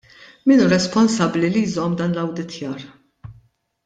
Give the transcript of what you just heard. Min hu responsabbli li jżomm dan l-awditjar?